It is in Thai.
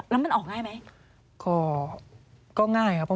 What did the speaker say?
สวัสดีค่ะที่จอมฝันครับ